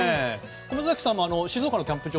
小松崎さんも静岡のキャンプ場